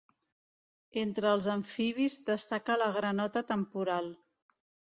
Entre els amfibis destaca la granota temporal.